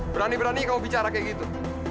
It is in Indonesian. berani berani kau bicara kayak gitu